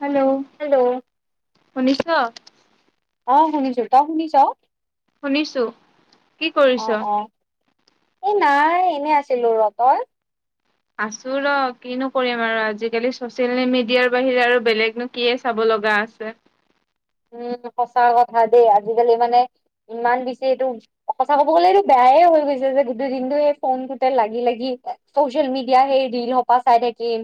Hello hello শুনিছা? অ, শুনিছো তই শুনিছ? শুনিছোঁ। অ', অ', এই নাই এনে আছিলো ৰ তই? আছো ৰ কি নকৰিম আৰু আজিকালি চচিয়েল মিডিয়াৰ বাহিৰে আৰু বেলেগ কিয়ে চাব লগা আছে। উম, সঁচা কথা দেই আজিকালি মানে ইমান বেচি এইটো কথা কব গ'লে এইটো বেয়ে হৈ গৈছে যে গোটেই দিনটো এই ফোনটোতে লাগি লাগি সোশিয়েল মিডিয়া সে ৰীল হপাছাই চাই থোক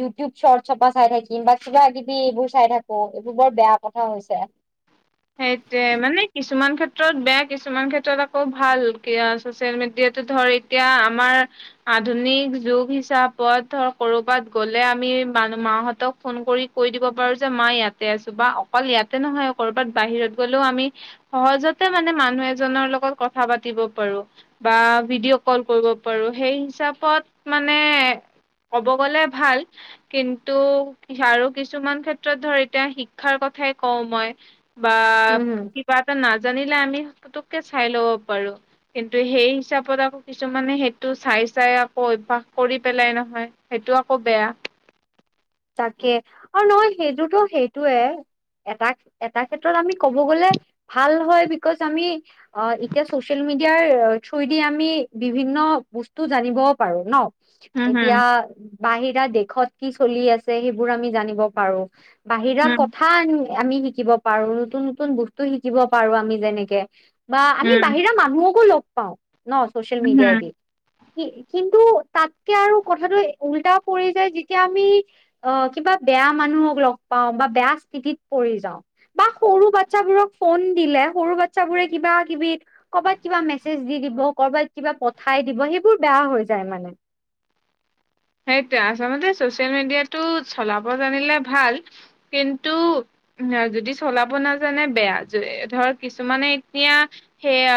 ইউটিউব শৰ্ট চপা চাই থাকিম, বা কিবা কিবি এইবোৰ চাই থাকো এইবোৰ বৰ বেয়া কথা হৈছে। সেইটোৱে মানে কিছুমান ক্ষেত্ৰত বেয়া কিছুমান ক্ষেত্ৰত আকৌ ভাল চচিয়েল মিডিয়াতটো ধৰি এতিয়া আমাৰ আধুনিক যুগ হিচাপত ধৰ কৰবাত গ'লে আমি মানু মাহঁতক ফোন কৰি কৈ দিব পাৰো যে মা ইয়াতে আছো বা অকল ইয়াতে নহয় কৰ'বাত বাহিৰত গ'লেও আমি সহজতে মানে মানুহ এজনৰ লগত কথা পাতিব পাৰো। বা ভিডিঅ' কল কৰিব পাৰো সেই হিচাপত মানে ক'ব গ'লে ভাল কিন্তু, আৰু কিছুমান ক্ষেত্ৰত ধৰ এতিয়া শিক্ষাৰ কথাই কওঁ মই বা উম কিবা এটা নাজানিলে আমি পতুককে চাই ল'ব পাৰো। কিন্তু সেই হিচাপত আকৌ কিছুমানে সেইটো চাই চাই আকৌ অভায়াস কৰি পেলাই নহয় সেইটো আকৌ বেয়া। তাকে, আৰু নহয় সেইটোতো সেইটোয়ে এটা এটা ক্ষেত্ৰত আমি কব গলে ভাল হয় বিকজ আমি অ, এতিয়া চচিয়েল মিডিয়াৰ থ্ৰইদি আমি বিভিন্ন বস্তু জানিবও পাৰো ন। হম হম এতিয়া বাহিৰা দেশত কি চলি আছে সেইবোৰ আমি জানিব পাৰো। বাহিৰা উম কথা খ আমি শিকিব পাৰো নতুন নতুন বস্তু শিকিব পাৰো আমি যেনেকে বা আমি উম বাহিৰা মানুহকো লগ পাও ন চচিয়েল উম হম মিডিয়াইদি। কি কিন্তু তাতকে আৰু কথাটো উল্টাও পৰি যায় যেতিয়া আমি অ, কিবা বেয়া মানুহক লগ পাও বা বেয়া স্থিতিত পৰি যাওঁ। বা সৰু বাচ্ছাবোৰক ফোন দিলে সৰু বাচ্ছাবোৰে কিবা কিবি ক'বাত কিবা মেছেজ দি দিব কৰবাত কিবা পঠাই দিব সেইবোৰ বেয়া হৈ যায় মানে। সেইটে আচলতে চচিয়েল মিডিয়াটো চলাব জানিলে ভাল কিন্তু যদি চলাব নাজানে বেয়া ধৰ কিছুমানে এতিয়া সেইয়া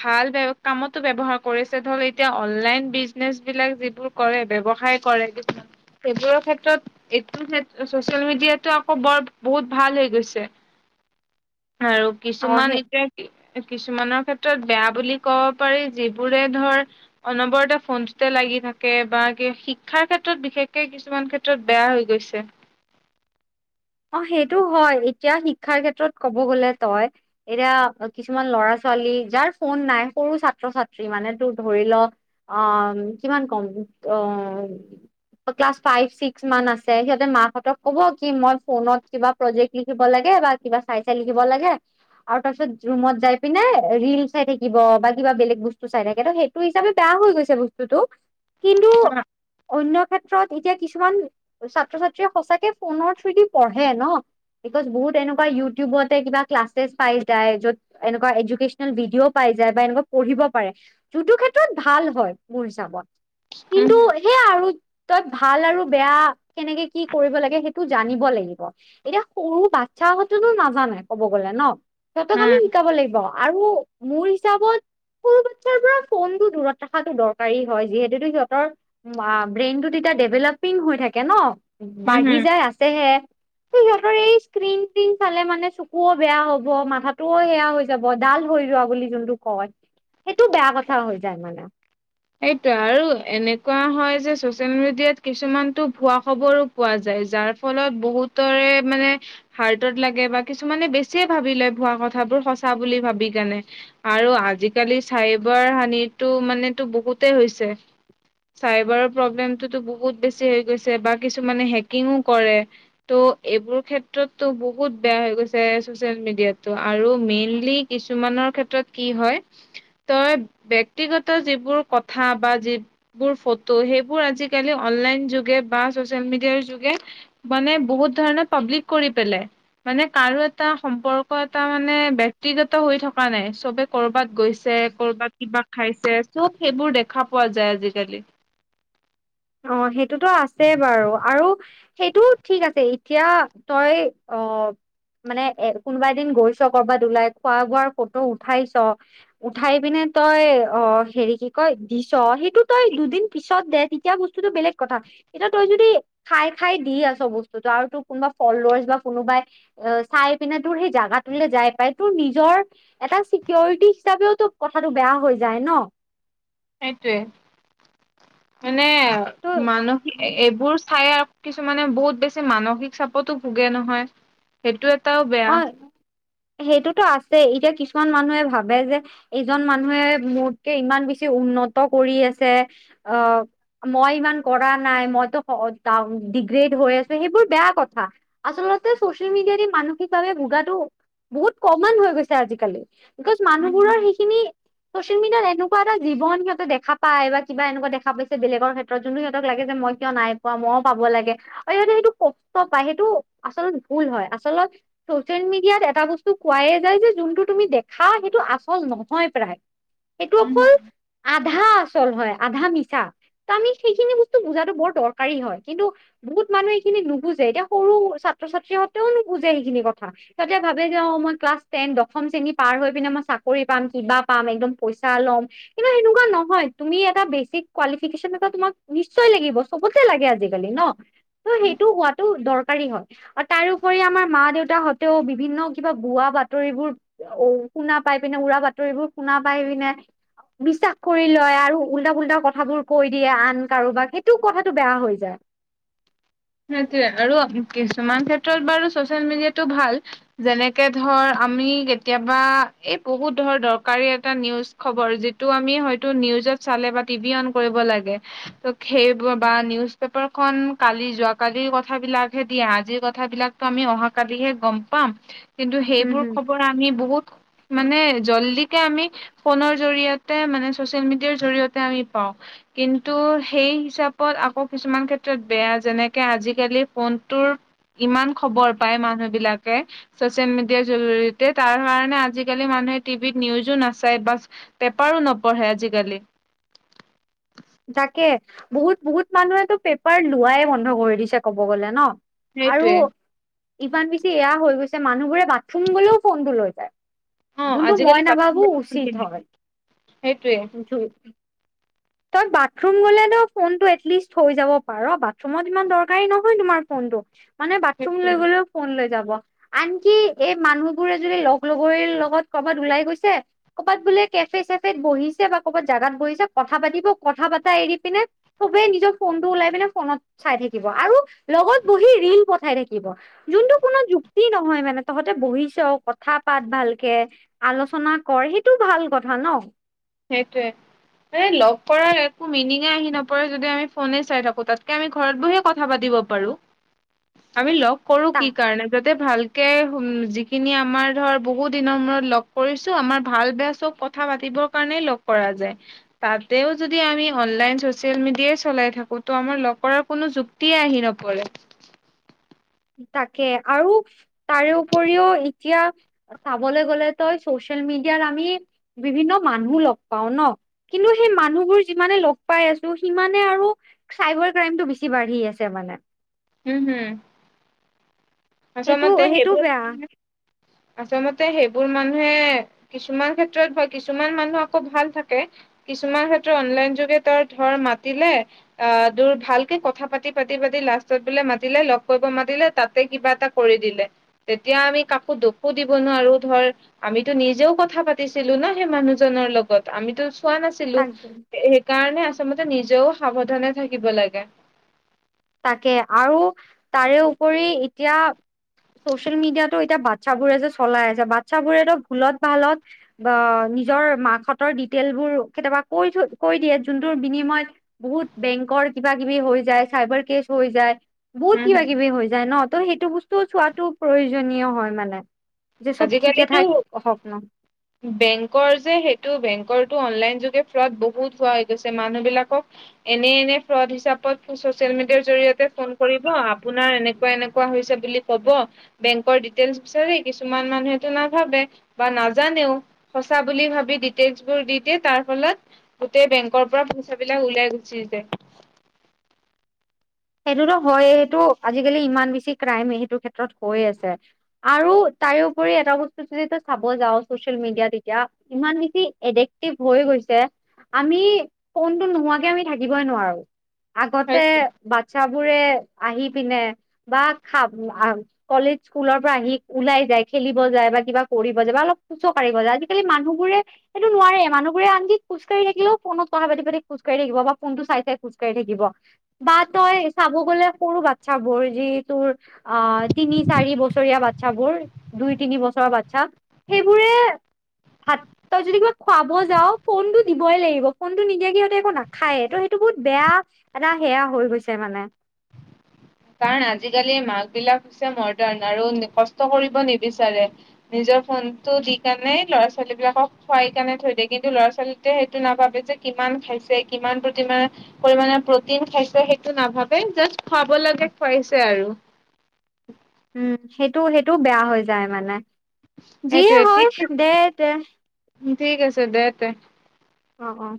ভাল কামতো ব্য্ৱহাৰ কৰিছে ধৰ এতিয়া অনলাইন বিজনেচ বিলাক যিবোৰ কৰে বেৱসায় কৰে কিছুমান সেইবোৰৰ ক্ষেত্ৰত এইটো ছচিয়েল মিডিয়াতটো আকৌ বৰ বহুত ভাল হৈ গৈছে। আৰু অ' সেই কিছুমান এতিয়া কিছুমানৰ ক্ষেত্ৰত বেয়া বুলি ক'ব পাৰি যিবোৰে ধৰ অনবৰতে ফোনতে লাগি থাকে বা কিব শ শিক্ষাৰ ক্ষেত্ৰত বিশেষকে কিছুমান ক্ষেত্ৰত বেয়া হৈ গৈছে। অ, সেইটো হয় এতিয়া শিক্ষাৰ ক্ষেত্ৰত ক'ব গলে তই এতিয়া কিছুমান ল'ৰা ছোৱালী যাৰ ফোন নাই সৰু ছাত্ৰ ছাত্ৰী মানে তোৰ ধৰি ল অ, কিমান কম অ ক্লাছ ফাইভ ছিক্স মান আছে সিহঁতে মাহঁতক ক'ব কি মই ফোনত কিবা প্ৰজেক্ট লিখিব লাগে বা কিবা চাই চাই লিখিব লাগে আৰু তাৰ পিছত ৰুমত যাই পিনে ৰিল চাই থাকিব বা কিবা বেলেগ বস্তু চাই থাকে ত' সেই তোৰ হিচাপে বেয়া হৈ গৈছে বস্তুটো। কিন্তু অ। অন্য ক্ষেত্ৰত এতিয়া কিছুমান ছাত্ৰ ছাত্ৰীয়ে সঁচাকে ফোনৰ থ্ৰদি পঢ়ে ন' বিকজ বহুত এনেকুৱা ইউটিউবতে কিবা ক্লাছেছ পাই যায় য'ত এনেকুৱা এডুকেশ্যনেল ভিডিঅ' পাই যায় বা এনেকুৱা পঢ়িব পাৰে যোনটো ক্ষেত্ৰত ভাল হয়, মোৰ হিচাপত উম কিন্তু সেয়া আৰু তই ভাল আৰু বেয়া কেনেকে কি কৰিব লাগে সেইটো জানিব লাগিব। এতিয়া সৰু বাচ্ছা হঁতেতো নাজানে কব গলে ন' সিহঁতক আমি হম শিকাব লাগিব। আৰু মোৰ হিচাপত সৰু বাচ্ছাৰ পৰা ফোনটো দূৰত ৰখাতো দৰকাৰী হয় যিহেতু সিহঁতৰ ব্ৰেইনটো তেতিয়া ডেভেলপিং হৈ থাকে ন' হম বাঢ়ি হম যায় আছেহে [inaudible] স্ক্ৰিন ত্ৰিন চালে মানে চকুও বেয়া হব, মাথাটোও সেয়া হৈ যাব ডাল হৈ যোৱা বুলি যোনটো কয় সেইটো বেয়া কথা হৈ যায় মানে সেইটো আৰু এনেকুৱা হয় যে ছ'চিয়েল মিডিয়াত কিছুমানটো ভুৱা খবৰো পোৱা যায় যাৰ ফলত বহুতৰে মানে হাৰ্টত লাগে বা কিছুমানে বেছিয়ে ভাবি লয় ভুৱা কথাবোৰ সঁচা বুলি ভাবি কেনে আৰু আজিকালি চাইবাৰ হানিটো মানো বহুতেই হৈছে চাইবাৰৰ প্ৰব্লেমটোতো বহুত বেছি হৈ গৈছে বা কিছুমানে হেকিংও কৰে। ত' এইবোৰ ক্ষেত্ৰতো বহুত বেয়া হৈ গৈছে ছ'চিয়েল মিডিয়াটো আৰু মেইনলি কিছুমানৰ ক্ষেত্ৰত কি হয়, তই ব্যক্তিগত যিবোৰ কথা বা যি বোৰ ফটো সেইবোৰ আজিকালি অনলাইন যোগে বা ছ'চিয়েল মিডিয়াৰ যোগে মানে বহুত ধৰণৰ পাব্লিক কৰি পেলাই মানে কাৰো এটা সম্পৰ্ক এটা মানে ব্যাক্তিগত হৈ থকা নাই চবে কৰ'বাত গৈছে কৰ'বাত কিবা খাইছে চব সেইবোৰ দেখা পোৱা যায় আজিকালি। অ', সেইটোতো আছে বাৰু আৰু সেইটো ঠিক আছে এতিয়া তই অ মানে এ কোনোবা এদিন গৈছ কৰ'বাত ওলাই খোৱা বোৱাৰ ফটো উঠাইছ' উঠাই পিনে তই অ', হেৰি কি কয় দিছ, সেইটো তই দুদিন পিছত দে এতিয়া বস্তুটো বেলেগ কথা এতিয়া তই যদি খাই খাই দি আছ' বস্তুটো আৰু তোৰ কোনোবা ফলছ বা কোনোবাই এ চাই পিনে তোৰ সেই জাগাটোলে যাই পাই তোৰ নিজৰ এটা ছিকিউৰিটি হিচাপেওতো কথাটো বেয়া হৈ যায় ন'। সেইটোৱ, মানে ত মানসিক এইবোৰ চাই আৰু কিছুমানে বহুত বেছি মানসিক চাপতো ভোগে নহয়, সেইটো এটাও বেয়া। অ সেইটোতো আছে এতিয়া কিছুমান মানুহে ভাবে যে এইজন মানুহে মোতকে ইমান বেছি উন্নত কৰি আছে আ মই ইমান কৰা নাই মইতো ডিগ্ৰেড হৈ আছোঁ সেইবোৰ বেয়া কথা। আচলতে ছ'চিয়েল মিডিয়া দি মানুহ ভোগাতো বহুত ক'মান হৈ গৈছে আজিকালি, বিকজ উম মানুহবোৰৰ সেইখিনি ছ'চিয়েল মিডিয়াত এনেকুৱা এটা জীৱন সিহঁতে দেখা পায়, বা কিবা এনেুৱা দেখা পাইছে বেলেগৰ ক্ষেত্ৰ ত' যোনো সিহঁতক লাগে যে মই কিয় নাই পোৱা ময়ো পাব লাগে। আৰু সিহঁতে সেইটো কষ্ট পায়, সেইটো আচলত ভুল হয় আচলত ছ'চিয়েল মিডিয়াত এটা বস্তু কোৱাই যায় যে যোনটো তুমি দেখা সেইটো আচল নহয় প্ৰায় এইটো উম অকল আধা আচল হয় আধা মিছা ত' আমি সেইখিনি বস্তু বুজাতো বৰ দৰকাৰী হয় কিন্তু বহুত মানুহ এইখিনি নুবুজে, এতিয়া সৰু ছাত্ৰ ছাত্ৰীহঁতেও বুজে সেইখিনি কথা। হতে ভাবে যে অ' মই ক্লাছ টেন, দশম শ্ৰেণী পাৰ হৈ পিনে মই চাকৰি পাম কিবা পাম একদম পইচা ল'ম। কিন্তু সেনেকুৱা নহয়, তুমি এটা বেচিক কলিফিকেশ্যন এটা তোমাক নিশ্চয় লাগিব। চবতে লাগে আজিকালি ন'? ত' সেইটো হোৱাটো দৰকাৰী হয় আৰু তাৰপৰি আমাৰ মা দেউতা তাহতেও বিভিন্ন কিবা বোৱা বাতৰিবোৰ অ' শুনা পাই পিনে উৰা বাতৰিবোৰ শুনা পাই পিনে বিশ্বাস কৰি লয় আৰু উল্টা পুল্টা কথাবোৰ কৈ দিয়ে আন কাৰোবাক সেইটো কথাাতটো বেয়া হৈ যায়। সেইটোৱে, আৰু কিছুমান ক্ষেত্ৰত বাৰু ছ'চিয়েল মিডিয়াটো ভাল। যেনেকে ধৰ আমি কেতিয়াবা এই বহুত ধৰ দৰকাৰী এটা নিউজ খবৰ যিটো আমি হয়তো নিউজত চালে বা টিভি অন কৰিব লাগে। ত' সেইবোৰ বা নিউজ পেপাৰখন কালি যোৱা কালিৰ কথা বিলাকহে দিয়া আজিৰ কথাবিলাকটো আমি অহাকালিহে গ'ম পাম। কিন্তু হুম সেইবোৰ হুম খবৰ আমি বহুত মানে জল্দিকে আমি ফোনৰ জৰিয়তে মানে চচিয়েল মিডিয়াৰ জৰিয়তে আমি পাওঁ। কিন্তু সেই হিচাপত আকৌ কিছুমান ক্ষেত্ৰত বেয়া যেনেক কে আজিকালি ফোনটোৰ ইমান খবৰ পায় মানুহবিলাকে। চচিয়েল মিডিয়াৰ জৰিয়তে, তাৰকাৰণে আজিকালি মানুহে টিভিত নিউজো নাচায় বাচ পেপাৰো নপঢ়ে আজিকালি। তাকে, বহুত বহুত মানুহেটো পেপাৰ লোৱাই বন্ধ কৰি দিছে ক'ব গলে ন'? আৰু সেইটোৱে ইমান বেছি এয়া হৈ গৈছে, মানুহবোৰে বাথৰুম গ'লেও ফোনটো লৈ যায়। অ যোনটো মই আজিকালি নাভাবো বাথৰুমতো উচিত পঢ়ি নাই হয়। সেইটোৱে তই বাথৰুম গলেনো ফোনটো এটলিচত থৈ যাব পাৰ, বাথৰুমত ইমান দৰকাৰী নহয় তোমাৰ ফোনটো। মানে বাথৰুম লৈ গ'লেও ফোন লৈ যাব, আনকি এই মানুহবোৰে যদি লগ লগৰীৰ লগত কৰবাত ওলাই গৈছে ক'ৰবাত বোলে কেফে চেফে বহিছে বা ক'ৰবাত জাগাত বহিছে, কথা পাতিব কথা পাতা এৰি পিনে চবেই নিজৰ ফোনটো ওলাই পিনে ফোনত চাই থাকিব আৰু লগত বহি ৰীল পঠাই থাকিব। যোনটো কোনো যুক্তি নহয় মানে, তহঁতে বহিছ কথা পাত ভালকে। আলোচনা কৰ সেইটো ভাল কথা ন'? সেইটোৱে। এ, লগ কৰা একো মিনিঙে আহি নপৰে যদি আমি ফোনে চাই থাকো, তাতকে আমি ঘৰত বহি ক কথা পাতিব পাৰোঁ। আমি ল'গ কৰো তা কি কাৰণে যাতে ভাল যিখিনি আমাৰ ধৰ বহু দিনৰ মূৰত লগ কৰিছোঁ, আমাৰ ভাল বেয়া চব কথা পাতিব কাৰণে লগ কৰা যায়। তাতেও যদি আমি অনলাইন চচিয়েল মিডিয়াই চলাই থাকো ত' আমাৰ লগ কৰাৰ কোনো যু তি আহি নপৰে। তাকে, আৰু তাৰে উপৰিও এতিয়া চাবলৈ গ'লে তই চচিয়েল মিডিয়াৰ আমি বিভিন্ন মানুহ লগ পাও ন'? কিন্তু সেই মানুহবোৰ য যিমানে লগ পাই আছোঁ সিমানে আৰু চাইবাৰ ক্ৰাইমটো বেছি বাঢ়ি আছে মানে। হুম, হুম। সেইটো আচমতে সেইটো সেইবোৰ, বেয়া আচলতে সেইবোৰ মানুহে কিছুমান ক্ষেত্ৰত বা কিছুমান মানুহ আকৌ ভাল থাকে। কিছুমান ক্ষেত্ৰত অনলাইন যোগে তাৰ ধৰ মাতিলে অ' দোৰ ভালকে কথা পাতি পাতি পাতি লাষ্টত বোলে মাতিলে লগ কৰিব মাতিলে তাতে কিবা এটা কৰি দিলে, তেতিয়া আমি কাকো দুখো দিব নোৱাৰো ধৰ আমিতো নিজেও কথা পাতিছিলোঁ ন' সেই মানুহজনৰ লগত, আমিতো চোৱা নাছি লোঁ, তাকে সেইকাৰণে আচলতে নিজেও সাৱধানে থাকিব লাগে। তাকে আৰু তাৰে উপৰি এতিয়া চচিয়েল মিডিয়াতো এতিয়া বাচ্ছাবোৰে যে চলাই আছে বাচ্ছাবোৰেতো ভুলত ভালত বা নিজৰ মাকহঁতৰ ডিটেইল বোৰ কেতিয়াবা কৈ থ কৈ দিয়ে যোনটোোৰ বিনিময়ত বহুত বেংকৰ কিবা কিবি হৈ যায় চাইবাৰ হৈ যায় বহুত কিবা কিবি হৈ যায় ন ত সেইটো বস্তু টো চোৱাতটো প্ৰয়োজনীয় হয় মানে। যে চব ঠিকে আজিকালিটো ঠাক হওক ন বেংকৰ যে সেইটো বেংকটো অনলাইন যোগে ফ্ৰড বহুত হোৱা হৈ গৈছে মানুহবিলাকক এনে এনে ফ্ৰড হিচাপত চচিয়েল মিডিয়াৰ জৰিয়তে ফোন কৰিব আপোনাৰ এনেকুৱা এনেকুৱা হৈছে বুলি হ'ব বেংকৰ ডিটেইলচ বিচাৰি কিছুমান মানুহেটো নাভাবে বা নাজানেও সঁচা বুলি ভাবি ডিটেইলছ বোৰ দি দিয়ে তাৰ ফলত গোটেই বেংকৰ পৰা পইচা বিলাক ওলাই গুছি যায়। সেইটোতো হয়েই, সেইটো আজিকালি ইমান বেছি ক্ৰাইম সেইটো ক্ষেত্ৰত হৈ আছে। আৰু তাৰপৰি এটা বস্তু যদি তই চাব যাও চচিয়েল মিডিয়াত এতিয়া ইমান বেছি এডেক্টিভ হৈ গৈছে আমি ফুনটো নোহোৱাকে আমি থাকিবই নোৱাৰো আগতে হয় বাচ্ছাবোৰে আহি পিনে বা খাব কলেজ স্কুলৰ পৰা আহি ওলাই যায় খেলিব যায় বা কিবা কৰিব যায় বা অলপ কুচ কঢ়িব যায় আজিকালি মানুহবোৰে সেইটো নোৱাৰে মানুহবোৰে আনক খোজকাঢ়ি থাকিলেও ফোনত কথা পাতি পাতি খোজকাঢ়ি থাকিব বা ফোনটো চাই চাই খোকাঢ়ি থাকিব। বা তই চাব গ'লে সৰু বাচ্ছাবোৰ যি তোৰ আ, তিনি চাৰি বছৰীয়া বাত বাচ্ছাবোৰ দুই তিনি বছৰৰ বাচ্ছা সেইবোৰে সাত তই যদি কিবা খুৱাব যাও ফোনটো দিবই লাগিব ফোনটো নিদিয়া সিহঁতে একো নাখায়ে ত' সেইটো বহুত বেয়া এটা সেয়া হৈ গৈছে মানে কাৰণ, আজিকালি মাক বিলাক হৈছে মডাৰ্ণ আৰু কষ্ট কৰিব নিবিচাৰে। নিজৰ ফোনটো দি কাৰণে ল'ৰা ছোৱালী বিলাকক খুৱাই কাৰণে থৈ দিয়ে কিন্তু ল'ৰা ছোৱালী তে সেইটো নাপাবে যে কিমান খাইছে কিমান প্ৰতিমান পৰিমানে প্ৰটিন খাইছে সেইটো নাভাবে, জাষ্ট খুৱাব লাগে খুৱাইছে আৰু। উম, সেইটো সেইটো বেয়া হৈ যায় মানে যিয়ে হয় দে দে। ঠিকেই আছে দে তে। অ', অ'।